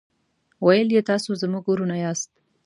ویل یې تاسو زموږ ورونه یاست.